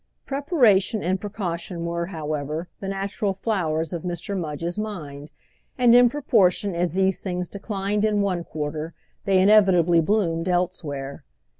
Preparation and precaution were, however, the natural flowers of Mr. Mudge's mind, and in proportion as these things declined in one quarter they inevitably bloomed elsewhere.